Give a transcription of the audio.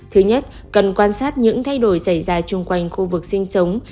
thứ nhất cần quan sát những thay đổi xảy ra chung quanh khu vực sinh sống